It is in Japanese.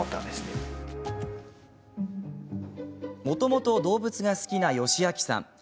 もともと動物が好きな与志彰さん。